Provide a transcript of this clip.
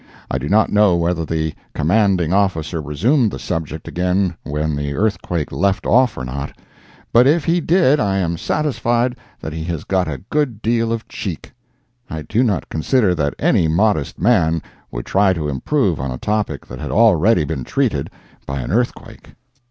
I do not know whether the commanding officer resumed the subject again where the earthquake left off or not, but if he did I am satisfied that he has got a good deal of "cheek." I do not consider that any modest man would try to improve on a topic that had already been treated by an earthquake.